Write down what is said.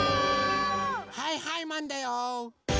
はいはいマンだよー。